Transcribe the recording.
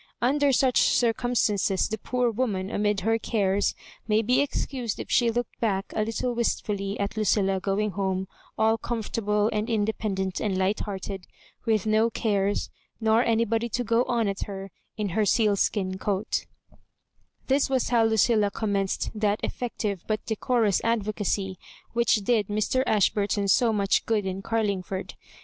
Under such circum stances, the poor woman, amid her cares, maybe excused if she looked back a little wistfully at Lucilla going home all comfortable and in dependent and light hearted, with no cares^ nor anybody to go on at her, in her sealskin coat ^ This was how Lucilla commenced that effec tive but decorous advocacy which did Mr. Ash burton so much good in Carlingford.